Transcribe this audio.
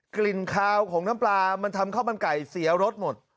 กลิ่นคาวของน้ำปลามันทำข้าวมันไก่เสียรสหมด